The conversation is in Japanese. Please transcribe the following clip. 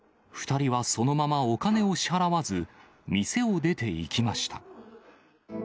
２人はそのままお金を支払わず、店を出ていきました。